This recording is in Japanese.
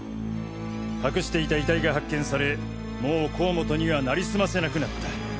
隠していた遺体が発見されもう甲本にはなりすませなくなった。